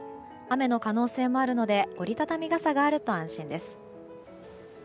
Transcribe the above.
雨の可能性もあるので折り畳み傘があると安心です。